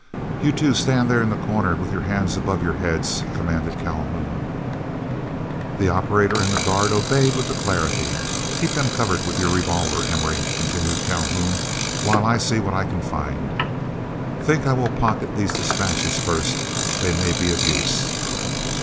"You two stand there in the corner with your hands above your heads," commanded Calhoun. The operator and the guard obeyed with alacrity. "Keep them covered with your revolver, Emory," continued Calhoun, "while I see what I can find. Think I will pocket these dispatches first; they may be of use."